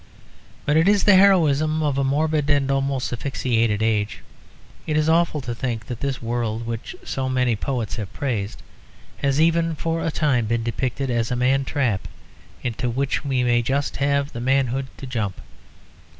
But it is the heroism of a morbid and almost asphyxiated age. It is awful to think that this world which so many poets have praised has even for a time been depicted as a man trap into which we may just have the manhood to jump.